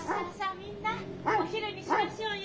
みんなお昼にしましょうよ。